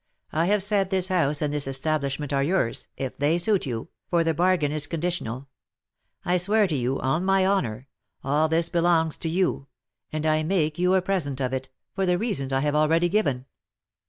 I have said this house and this establishment are yours, if they suit you, for the bargain is conditional. I swear to you, on my honour, all this belongs to you; and I make you a present of it, for the reasons I have already given."